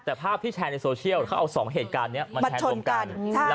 แต่ภาพที่แชร์ในโซเชียลเขาเอา๒เหตุการณ์นี้มาแชร์รวมกัน